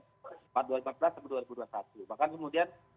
pada dua ribu empat belas sampai dua ribu dua puluh satu bahkan kemudian